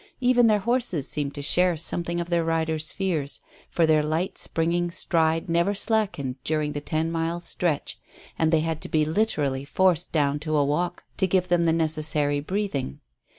Even their horses seemed to share something of their riders' fears, for their light springing stride never slackened during that ten miles' stretch, and they had to be literally forced down to a walk to give them the necessary "breathing."